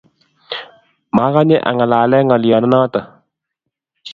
Magaye angalale ngolyonoto